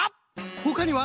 ほかには？